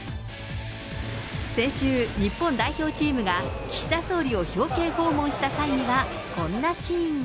先週、日本代表チームが岸田総理を表敬訪問した際には、こんなシーンが。